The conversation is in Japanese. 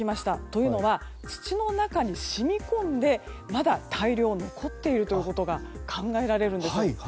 というのは土の中に染み込んでまだ残っているということが考えられるんです。